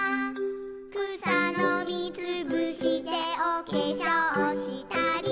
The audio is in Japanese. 「くさのみつぶしておけしょうしたり」